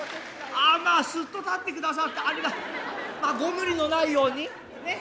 ああまあすっと立ってくださってまあご無理のないようにねえ。